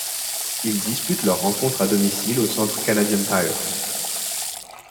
Ils disputent leurs rencontres à domicile au Centre Canadian Tire.